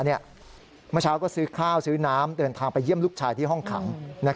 เมื่อเช้าก็ซื้อข้าวซื้อน้ำเดินทางไปเยี่ยมลูกชายที่ห้องขัง